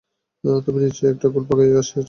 তুমি নিশ্চয় একটা গোল পাকাইয়া আসিয়াছ।